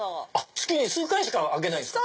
月に数回しか開けないんですか？